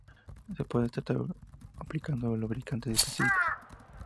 Se puede tratar aplicando lubricantes específicos.